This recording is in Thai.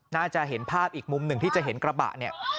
น่าจะเห็นภาพอีกมุมหนึ่งที่จะเห็นกระบะเนี่ย